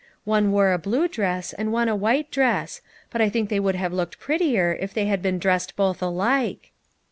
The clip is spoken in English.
One wore a blue dress, and one a white dress ; but I think they would have looked prettier if they had been dressed both alike."